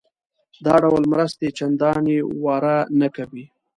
دا ډول مرستې چندانې واره نه کوي.